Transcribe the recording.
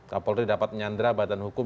kapolri dapat menyandra badan hukum